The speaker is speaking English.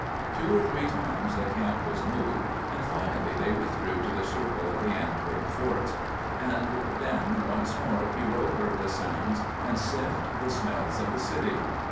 Two or three times the camp was moved, and finally they withdrew to the circle of the Antwerp forts. And then once more Pierrot heard the sounds and sniffed the smells of a city.